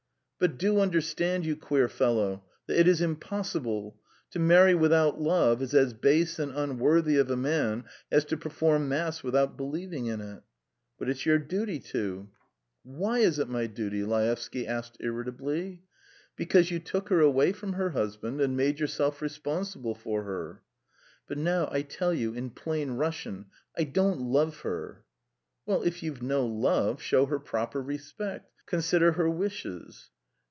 "But do understand, you queer fellow, that it is impossible. To marry without love is as base and unworthy of a man as to perform mass without believing in it." "But it's your duty to." "Why is it my duty?" Laevsky asked irritably. "Because you took her away from her husband and made yourself responsible for her." "But now I tell you in plain Russian, I don't love her!" "Well, if you've no love, show her proper respect, consider her wishes.